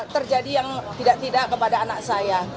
terjadi yang tidak tidak kepada anak saya